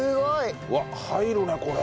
うわっ入るねこれ。